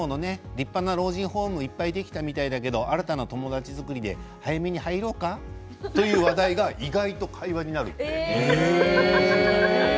立派な老人ホームいっぱいできたみたいだけど新たな友達作りで早めに入ろうかという話題が意外と会話になると。